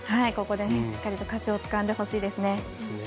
ここでしっかりと勝ちをつかんでほしいですね。